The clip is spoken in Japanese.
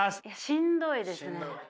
しんどいですね。